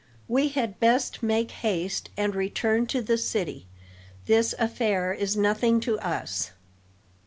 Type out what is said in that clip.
We had best make haste and return to the city; this affair is nothing to us."